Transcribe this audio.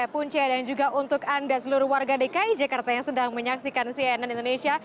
punca dan juga untuk anda seluruh warga dki jakarta yang sedang menyaksikan cnn indonesia